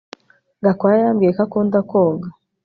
Gakwaya yambwiye ko akunda koga